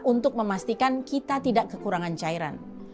untuk memastikan kita tidak kekurangan cairan